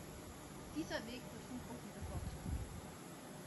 Dieser Weg wird von Gruppen bevorzugt.